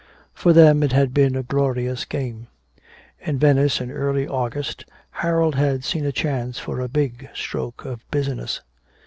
For them it had been a glorious game. In Venice in early August, Harold had seen a chance for a big stroke of business.